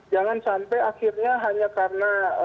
jangan sampai akhirnya hanya karena